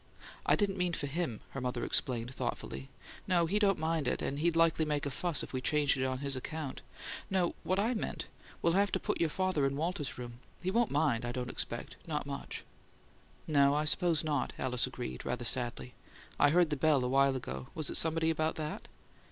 "I didn't mean for him," her mother explained, thoughtfully. "No; he don't mind it, and he'd likely make a fuss if we changed it on his account. No; what I meant we'll have to put your father in Walter's room. He won't mind, I don't expect not much." "No, I suppose not," Alice agreed, rather sadly. "I heard the bell awhile ago. Was it somebody about that?"